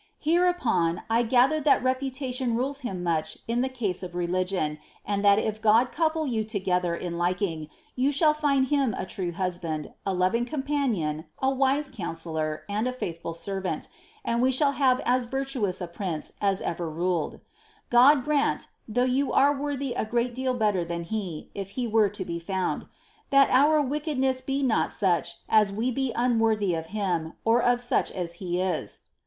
Hereupon 1 gather that reputation nuch in the case of religion, and that if Grod couple you together in shall find in him a true husband, a loving companion, a wise coui« a foithful servant, and we shall have as virtuous a prince as ever 1 grant (though you are worthy a great deal better than he, if he found) that our wickedness be not such as wo be unworthy of him, as he is.